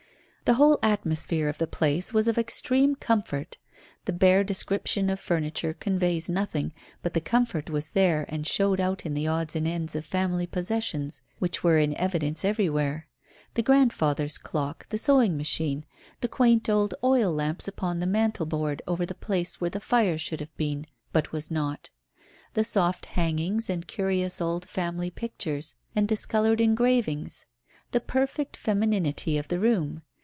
The whole atmosphere of the place was of extreme comfort. The bare description of furniture conveys nothing, but the comfort was there and showed out in the odds and ends of family possessions which were in evidence everywhere the grandfather's clock, the sewing machine, the quaint old oil lamps upon the mantel board over the place where the fire should have been but was not; the soft hangings and curious old family pictures and discoloured engravings; the perfect femininity of the room.